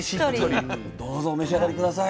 どうぞお召し上がり下さい。